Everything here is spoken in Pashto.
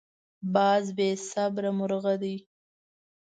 باز بې صبره مرغه دی